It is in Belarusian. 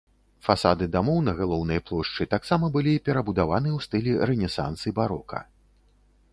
Фасады дамоў на галоўнай плошчы таксама былі перабудаваны ў стылі рэнесанс і барока.